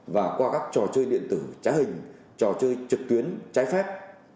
và qua các trò chơi điện tử trá hình trò chơi trực tuyến trái phép